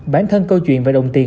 bản thân câu chuyện về đồng tiền